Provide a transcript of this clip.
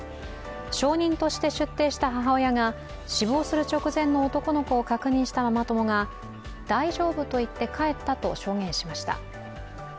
証人として出廷した母親が死亡する直前の男の子を確認したママ友が大丈夫と言って帰ったと証言しました。